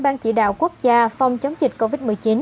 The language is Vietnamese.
ban chỉ đạo quốc gia phòng chống dịch covid một mươi chín